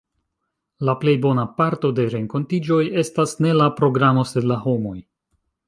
La plej bona parto de renkontiĝoj estas ne la programo, sed la homoj.